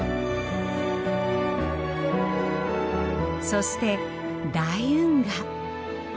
そして大運河。